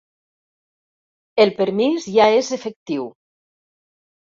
El permís ja és efectiu.